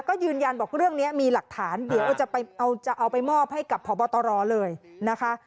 ก็ยืนยันบอกเรื่องนี้มีหลักฐานเดี๋ยวจะเอาไปมอบให้กับพบตรเลยนะคะ